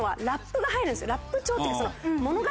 ラップ調っていうか。